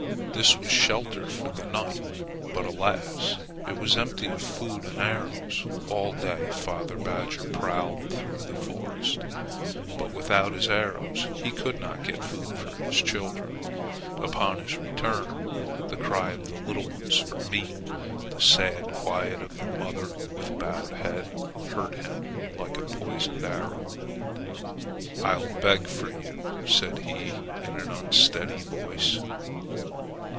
This was shelter for the night; but alas! it was empty of food and arrows. All day father badger prowled through the forest, but without his arrows he could not get food for his children. Upon his return, the cry of the little ones for meat, the sad quiet of the mother with bowed head, hurt him like a poisoned arrow wound. "I'll beg meat for you!" said he in an unsteady voice.